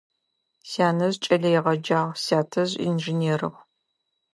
Сянэжъ кӏэлэегъэджагъ, сятэжъ инженерыгъ.